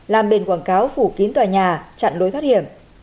làm bền quảng cáo phủ kín tòa nhà chặn lối thoát hiểm